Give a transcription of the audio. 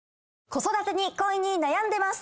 子育てに恋に悩んでます。